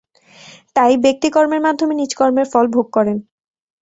তাই ব্যক্তি কর্মের মাধ্যমে নিজ কর্মের ফল ভোগ করেন।